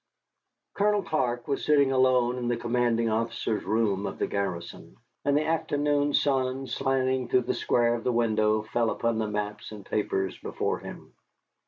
Colonel Clark was sitting alone in the commanding officer's room of the garrison. And the afternoon sun, slanting through the square of the window, fell upon the maps and papers before him.